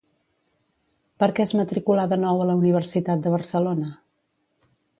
Per què es matriculà de nou a la Universitat de Barcelona?